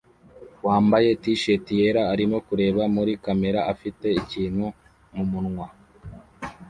wambaye t-shati yera arimo kureba muri kamera afite ikintu mumunwa a